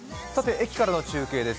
駅からの中継です。